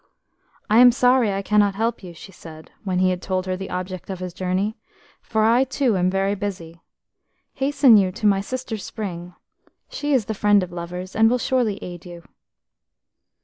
"I am sorry I cannot help you," she said, when he had told her the object of his journey, "for I too am very busy. Hasten you to my sister Spring; she is the friend of lovers, and will surely aid you."